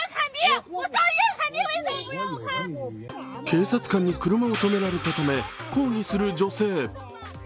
警察官に車を止められたため抗議する女性。